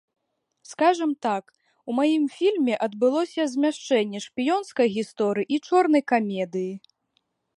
Скажам так, у маім фільме адбылося змяшэнне шпіёнскай гісторыі і чорнай камедыі.